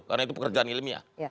karena itu pekerjaan ilmiah